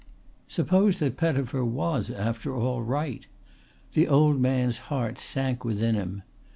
Suppose that Pettifer was after all right! The old man's heart sank within him.